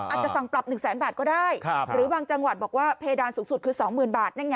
อาจจะสั่งปรับ๑แสนบาทก็ได้หรือบางจังหวัดบอกว่าเพดานสูงสุดคือ๒๐๐๐บาท